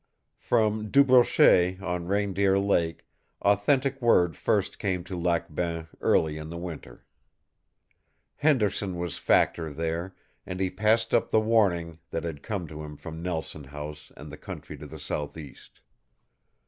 From DuBrochet, on Reindeer Lake, authentic word first came to Lac Bain early in the winter. Henderson was factor there, and he passed up the warning that had come to him from Nelson House and the country to the southeast.